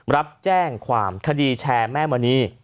รับแจ้งความคดีแชร์แม่มณี